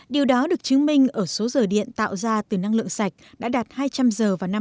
điều đó được chứng minh ở số giờ điện tạo ra từ năng lượng sạch đã đạt hai trăm linh giờ vào năm hai nghìn hai mươi